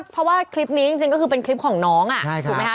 เพราะว่าคลิปนี้จริงก็คือเป็นคลิปของน้องถูกไหมคะ